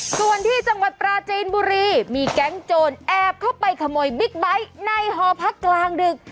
ส่วนที่จังหวัดปราจีนบุรีมีแก๊งโจรแอบเข้าไปขโมยบิ๊กไบท์ในหอพักกลางดึก